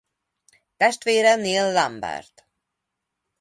Testvére Neil Lambert.